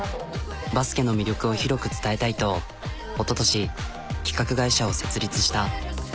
バスケの魅力をひろく伝えたいとおととし企画会社を設立した。